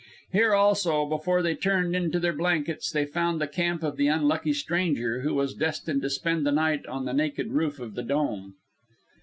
Here, also, before they turned into their blankets, they found the camp of the unlucky stranger who was destined to spend the night on the naked roof of the Dome.